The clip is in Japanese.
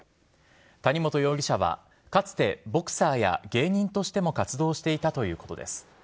谷本容疑者は、かつてボクサーや芸人としても活動していたということです。